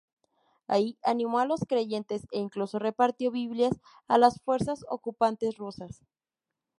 Ahí animó a los creyentes e incluso repartió Biblias a las fuerzas ocupantes rusas.